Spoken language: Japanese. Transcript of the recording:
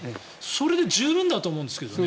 それで十分だと思うんですけどね。